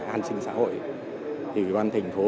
an trình xã hội thì ban thành phố